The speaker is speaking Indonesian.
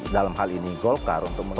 dalam hal ini golkar untuk